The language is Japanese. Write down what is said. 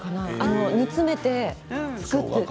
煮詰めて作って。